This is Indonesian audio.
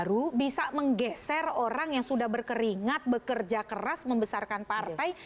baru bisa menggeser orang yang sudah berkeringat bekerja keras membesarkan partai